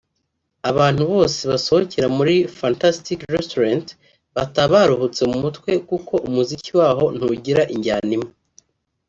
Abantu bose basohokera muri Fantastic Restaurant bataha baruhutse mu mutwe kuko umuziki waho ntugira injyana imwe